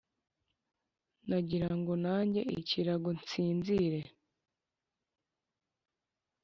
Nagirango ngane ikirago nsinzire